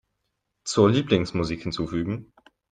Zur Lieblingsmusik hinzufügen.